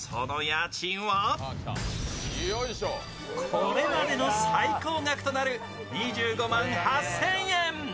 これまでの最高額となる２５万８０００円。